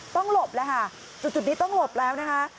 หลบแล้วค่ะจุดนี้ต้องหลบแล้วนะคะ